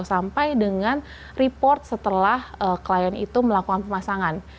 sampai dengan report setelah klien itu melakukan pemasangan